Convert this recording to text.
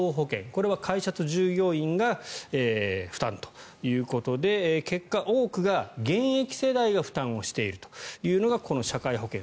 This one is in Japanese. これは会社と従業員が負担ということで結果、多くが現役世代が負担しているというのがこの社会保険。